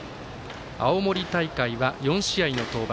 青森大会は４試合の登板。